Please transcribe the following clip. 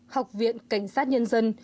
học viện cảnh sát nhân dân